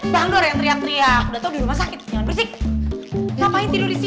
bang dor yang teriak teriak udah tau di rumah sakit jangan bersik